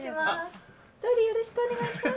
よろしくお願いします。